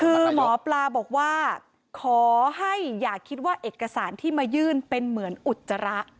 คือหมอปลาบอกว่าขอให้อย่าคิดว่าเอกสารที่มายื่นเป็นเหมือนอุจจาระ